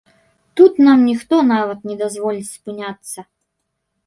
Тут нам ніхто нават не дазволіць спыняцца.